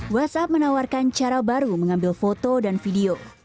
whatsapp menawarkan cara baru mengambil foto dan video